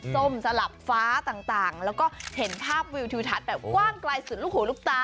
ส้มสลับฟ้าต่างแล้วก็เห็นภาพวิวทิวทัศน์แบบกว้างไกลสุดลูกหูลูกตา